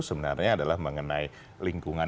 sebenarnya adalah mengenai lingkungan